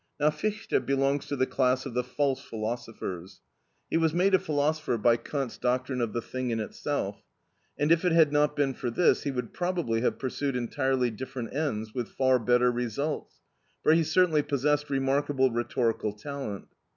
Now Fichte belongs to the class of the false philosophers. He was made a philosopher by Kant's doctrine of the thing in itself, and if it had not been for this he would probably have pursued entirely different ends, with far better results, for he certainly possessed remarkable rhetorical talent.